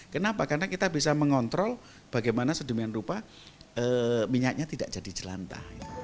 kenapa karena kita bisa mengontrol bagaimana sedemikian rupa minyaknya tidak jadi jelanta